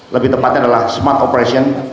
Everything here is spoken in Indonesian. lebih tepatnya adalah smart operation